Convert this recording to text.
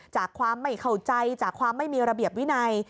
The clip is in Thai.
จากความไม่เข้าใจจากความไม่มีระเบียบวินัย